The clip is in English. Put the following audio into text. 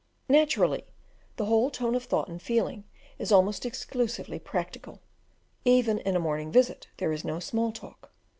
Naturally, the whole tone of thought and feeling is almost exclusively practical; even in a morning visit there is no small talk.